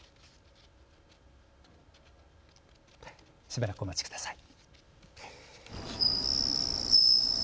しばらくお待ちください。